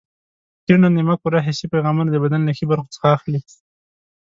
کیڼه نیمه کره حسي پیغامونه د بدن له ښي برخو څخه اخلي.